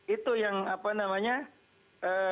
itu yang apa namanya